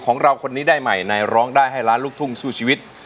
ของเราคนนี้ได้ใหม่ในร้องได้ให้ล้านลูกทุ่งสู้ชีวิต